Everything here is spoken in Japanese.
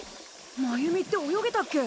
真由美って泳げたっけ？